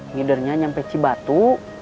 midernya nyampe cibatu